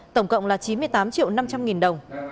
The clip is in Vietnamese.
tổng cộng là chín mươi tám triệu năm trăm linh nghìn đồng